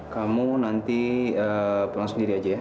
kamu nanti pulang sendiri aja ya